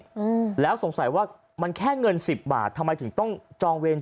อืมแล้วสงสัยว่ามันแค่เงินสิบบาททำไมถึงต้องจองเวร